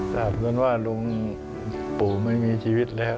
ถ้าพระองค์ท่านว่าลุงปู่ไม่มีชีวิตแล้ว